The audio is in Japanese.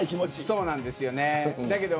そうなんですよね。